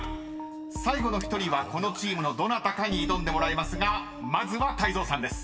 ［最後の１人はこのチームのどなたかに挑んでもらいますがまずは泰造さんです］